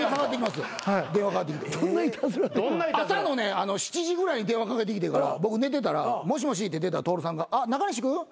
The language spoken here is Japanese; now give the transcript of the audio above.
朝のね７時ぐらいに電話かけてきて僕寝てたら「もしもし」って出たら徹さんが「あっ中西君」